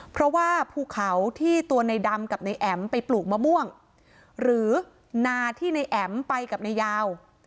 เพราะว่าภูเขาที่ตัวในดำกับนายแอ๋มไปปลูกมะม่วงหรือนาที่ในแอ๋มไปกับนายยาว